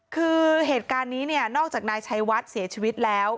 คือเหตุการณ์นี้เนี่ยนอกจากนายชัยวัดเสียชีวิตแล้ว